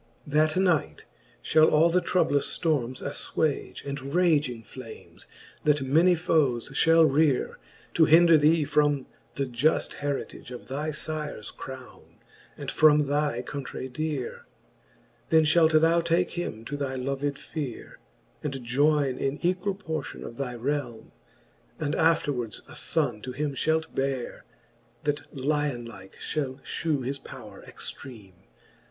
XXIII. That knight fhall all the troublous ftormes affwage. And raging flames, that many foes fhall reare, To hinder thee from the juft heritage Of thy fires Crowne, and from thy countrey deare Then fhalt thou take him to thy loved fere. And joyne in equall portion of thy realme : And afterwards a fonne to him fhalt beare. That lion like fhall fhew his powre extreame.